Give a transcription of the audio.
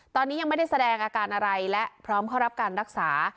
ตอนนี้ยังไม่ได้แสดงอาการอะไรและพร้อมเข้ารับการรักษา